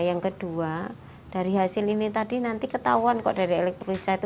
yang kedua dari hasil ini tadi nanti ketahuan kok dari elektronik saya itu